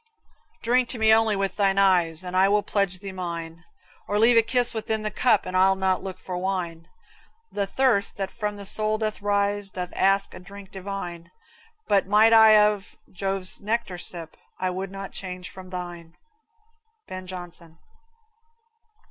Drink to me only with thine eyes, And I will pledge thee mine; Or leave a kiss within the cup, And I'll not look for wine. The thirst that from the soul doth rise Doth ask a drink divine; But might I of Jove's nectar sip, I would not change from thine. Ben Jonson.